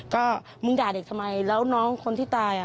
ก็มึงด่าเด็กทำไมแล้วน้องคนที่ตายอ่ะ